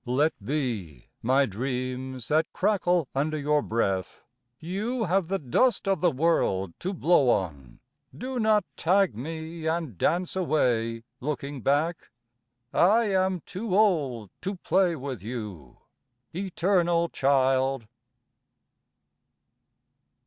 Let be My dreams that crackle under your breath... You have the dust of the world to blow on... Do not tag me and dance away, looking back... I am too old to play with you, Eternal Child.